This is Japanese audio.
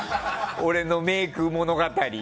俺のメイク物語。